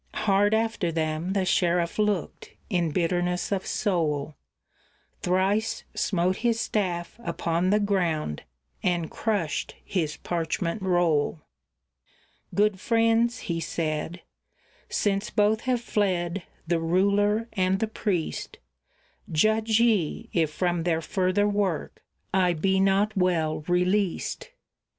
Hard after them the sheriff looked, in bitterness of soul; Thrice smote his staff upon the ground, and crushed his parchment roll. "Good friends," he said, "since both have fled, the ruler and the priest, Judge ye, if from their further work I be not well released."